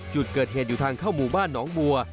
จุดเกิดเหตุอยู่ทางเข้าหมู่บ้านหนองบัว